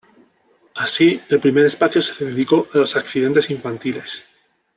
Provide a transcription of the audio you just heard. Así, el primer espacio se dedicó a los accidentes infantiles.